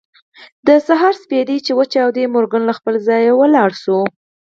د سهار سپېدې چې وچاودېدې مورګان له خپل ځايه پاڅېد.